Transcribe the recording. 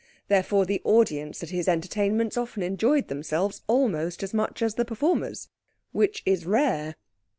Therefore the audience at his entertainments often enjoyed themselves almost as much as the performers, which is rare.